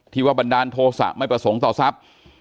ว่าบันดาลโทษะไม่ประสงค์ต่อทรัพย์